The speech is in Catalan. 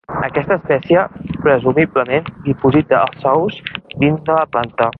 Aquesta espècie presumiblement diposita els ous dins de la planta.